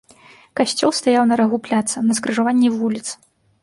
Касцёл стаяў на рагу пляца, на скрыжаванні вуліц.